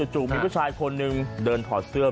จู่มีผู้ชายคนหนึ่งเดินถอดเสื้อ